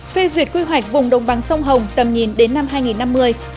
phê duyệt quy hoạch vùng đồng bằng sông hồng tầm nhìn đến năm hai nghìn năm mươi